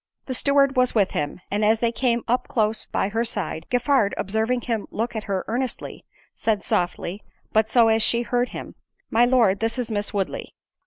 The steward was with him, and as they came up close by her side, Giffard observing him look at her earnestly, said softly, but so as she heard him, "My Lord, it is Miss Woodley."